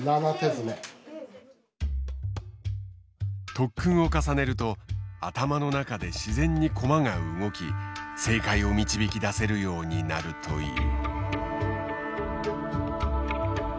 特訓を重ねると頭の中で自然に駒が動き正解を導き出せるようになるという。